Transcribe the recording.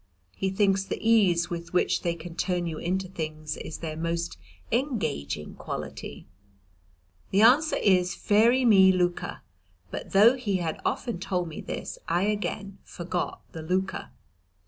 He thinks the ease with which they can turn you into things is their most engaging quality. The answer is Fairy me lukka, but though he had often told me this I again forgot the lukka.